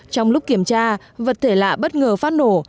trong lúc kiểm tra vật thể lạ bất ngờ phát nổ